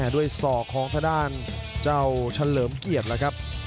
ด้วยศอกของทางด้านเจ้าเฉลิมเกียรติแล้วครับ